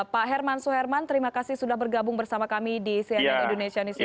pak herman suherman terima kasih sudah bergabung bersama kami di cnn indonesia newsroo